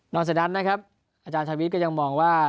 หลังจากนั้นนะครับอาจารย์ชาวิทย์ก็ยังมองว่า